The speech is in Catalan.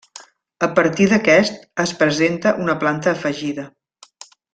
A partir d'aquest es presenta una planta afegida.